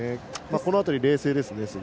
この辺り、冷静ですね。